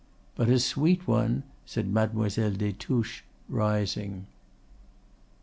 "But a sweet one," said Mademoiselle des Touches, rising.